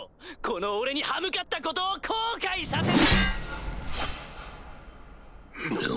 この俺に歯向かったことを後悔させ。